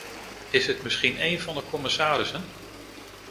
Is het misschien een van de commissarissen?